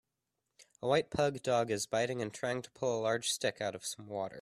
A white Pug dog is biting and trying to pull a large stick out of some water.